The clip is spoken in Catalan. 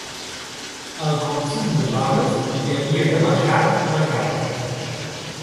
El consum de drogues li havia demacrat la cara.